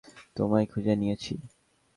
তোমায় খুঁজে নিয়েছি।